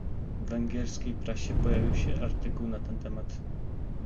W węgierskiej prasie pojawił się artykuł na ten temat